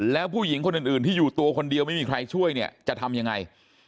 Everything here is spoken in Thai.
แล้วผู้หญิงคนอื่นที่อยู่ตัวคนเดียวไม่มีใครช่วยเนี่ยจะทำยังไง